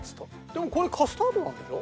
でもこれカスタードなんでしょ？